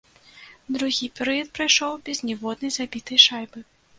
Другі перыяд прайшоў без ніводнай забітай шайбы.